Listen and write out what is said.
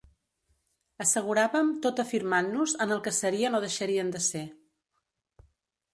Asseguràvem tot afirmant-nos en el que serien o deixarien de ser.